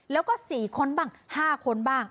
แล้วก็สี่คนบ้างห้าคนบ้าง